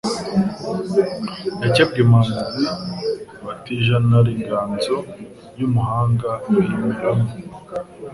Yakebwe imanzi batijanaInganzo y' umuhanga iyimeramo